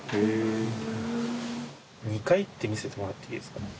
２階って見せてもらっていいですか？